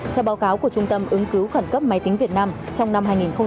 theo báo cáo của trung tâm ứng cứu khẩn cấp máy tính việt nam trong năm hai nghìn hai mươi